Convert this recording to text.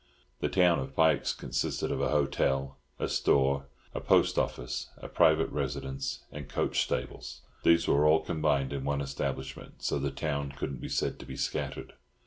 The town of "Pike's" consisted of a hotel, a store, a post office, a private residence, and coach stables; these were all combined in one establishment, so the town couldn't be said to be scattered.